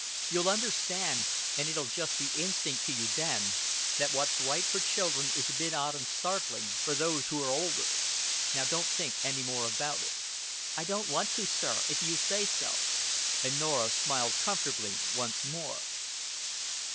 You'll understand and it'll just be instinct to you then that what's right for children is a bit odd and startling for those who're older. Now don't think any more about it." "I don't want to, sir if you say so;" and Norah smiled comfortably once more.